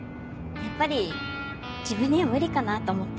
やっぱり自分には無理かなと思って。